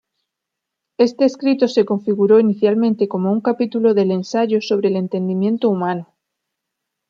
Este escrito se configuró inicialmente como un capítulo del Ensayo sobre el entendimiento humano.